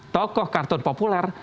tokoh kartun populer